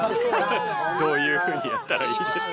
どういうふうにやったらいいですか。